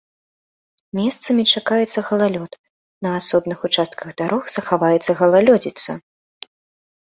Месцамі чакаецца галалёд, на асобных участках дарог захаваецца галалёдзіца.